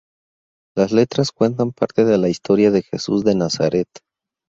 Las letras cuentan parte de la historia de Jesús de Nazaret.